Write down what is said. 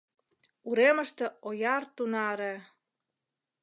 «Уремыште ояр тунаре...»